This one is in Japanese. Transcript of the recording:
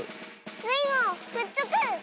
スイもくっつく！